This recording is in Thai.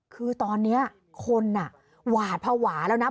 คือตอนนี้คนหวาดภาวะแล้วนะ